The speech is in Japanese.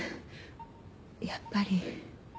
やっぱり。